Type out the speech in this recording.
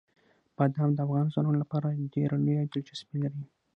بادام د افغان ځوانانو لپاره ډېره لویه دلچسپي لري.